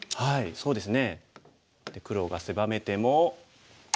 そうですね。